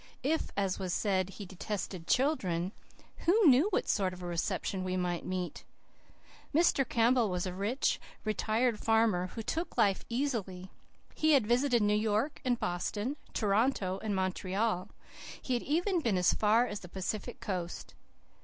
If, as was said, he detested children, who knew what sort of a reception we might meet? Mr. Campbell was a rich, retired farmer, who took life easily. He had visited New York and Boston, Toronto and Montreal; he had even been as far as the Pacific coast.